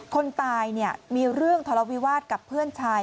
คนตายเนี่ยมีเรื่องทะเลาวิวาสกับเพื่อนชาย